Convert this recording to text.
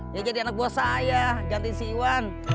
ya jadi anak buah saya ganti si iwan